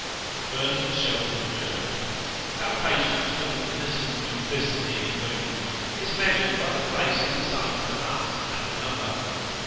Vernon's shoulders jerked. Our patience with an innocent duplicity in women is measured by the place it assigns to us and another.